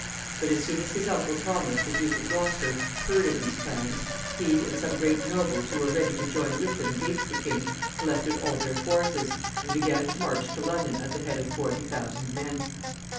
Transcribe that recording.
But as soon as his uncle Thomas, the Duke of Gloucester, heard of these plans, he, and some great nobles who were ready to join with him against the king, collected all their forces, and began to march to London at the head of forty thousand men.